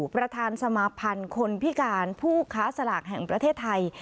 ประธานสมาพันธ์คนพิการผู้ค้าสลากแห่งประเทศไทย